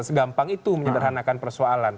segampang itu menyederhanakan persoalan